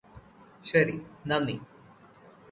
ശരി നന്ദി